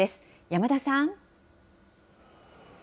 山田さん。